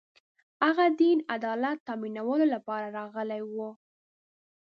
هغه دین عدالت تأمینولو لپاره راغلی و